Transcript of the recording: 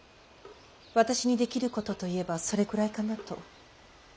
私にできることといえばそれくらいかなと。